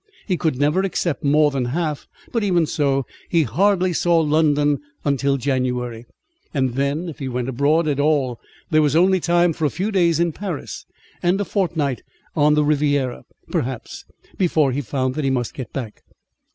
He could never accept more than half, but even so, he hardly saw London until January; and then, if he went abroad at all, there was only time for a few days in Paris, and a fortnight on the Riviera, perhaps, before he found that he must get back.